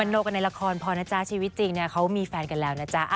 บรรโนกในละครพอนะจ๊ะชีวิตจริงเขามีแฟนกันแล้วนะจ๊ะ